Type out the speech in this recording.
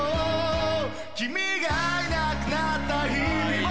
君がいなくなった日々も